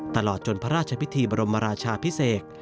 ตลอดจนพระราชพิธีบรมราชาพิเศษ